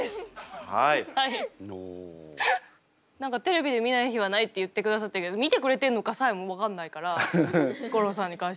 何かテレビで見ない日はないって言ってくださってるけど見てくれてんのかさえも分かんないから吾郎さんに関しては。